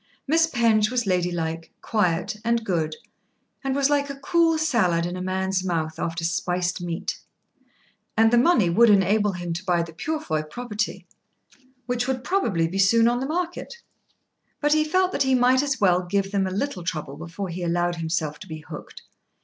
Miss Penge was ladylike, quiet, and good, and was like a cool salad in a man's mouth after spiced meat. And the money would enable him to buy the Purefoy property which would probably be soon in the market. But he felt that he might as well give them a little trouble before he allowed himself to be hooked.